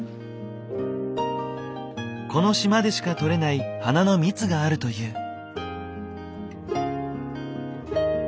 この島でしか採れない花の蜜があるという。